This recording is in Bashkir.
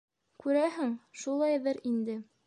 - Күрәһең, шулайҙыр инде.